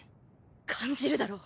感じるだろう？